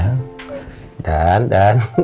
dan dan dan